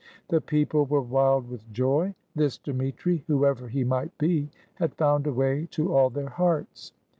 The people were wild with joy : this Dmitri, whoever he might be, had found a way to all their hearts.